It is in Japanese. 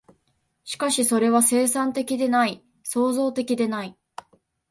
しかしそれは生産的でない、創造的でない。